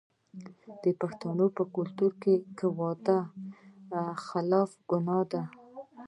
د پښتنو په کلتور کې وعده خلافي ګناه ده.